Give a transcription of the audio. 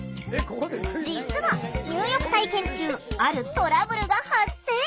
実は入浴体験中あるトラブルが発生！